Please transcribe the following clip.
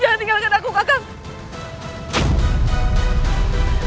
jangan tinggalkan aku kakak